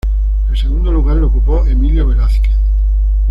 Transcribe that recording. El segundo lugar lo ocupó Emilio Velázquez.